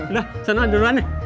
udah saya duluan ya